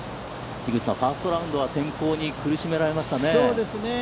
樋口さん、ファーストラウンドは天候に苦しめられましたね。